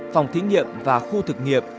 phòng thí nghiệm và khu thực nghiệp